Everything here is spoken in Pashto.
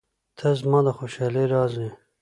• ته زما د خوشحالۍ راز یې.